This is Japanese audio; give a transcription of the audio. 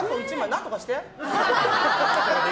何とかして？